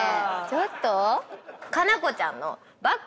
ちょっと⁉夏菜子ちゃんの。